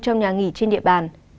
trong nhà nghỉ trên địa bàn